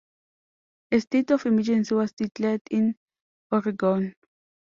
A state of emergency was declared in Oregon.